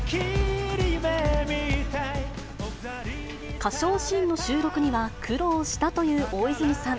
歌唱シーンの収録には苦労したという大泉さん。